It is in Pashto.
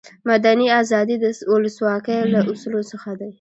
مدني آزادي د ولسواکي له اصولو څخه ده.